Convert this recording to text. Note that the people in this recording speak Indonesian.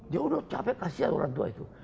dia udah capek kasihan orang tua itu